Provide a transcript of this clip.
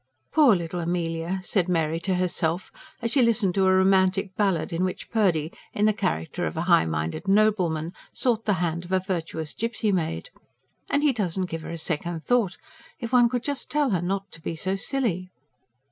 "Poor little Amelia!" said Mary to herself, as she listened to a romantic ballad in which Purdy, in the character of a high minded nobleman, sought the hand of a virtuous gipsy maid. "And he doesn't give her a second thought. If one could just tell her not to be so silly!"